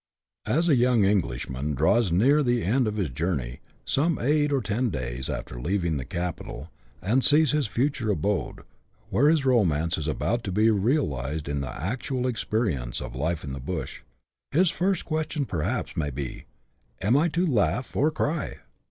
As a young Englishman draws near the end of his journey, some eight or ten days after leaving the capital, and sees his future abode, where his romance is about to be realized in the actual experience of life in the Bush : his first question perhaps may be, Am I to laugh or cry